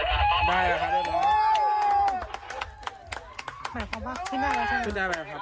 เราชาร์จเป้าหมายแล้วครับขึ้นได้แล้วขึ้นได้แล้วครับ